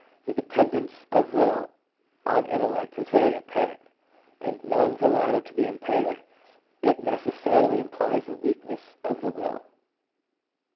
The dependence of will on intellect is very apparent, and knowing the latter to be impaired, it necessarily implies a weakness of the will.